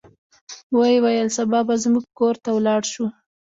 ویې ویل سبا به زموږ کور ته ولاړ شو.